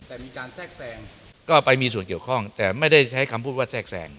แต่มีการแทรกแทรงก็ไปมีส่วนเกี่ยวข้องแต่ไม่ได้ใช้คำพูดว่าแทรกแทรง